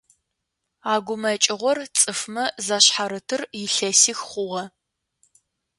А гумэкӏыгъор цӏыфмэ зашъхьарытыр илъэсих хъугъэ.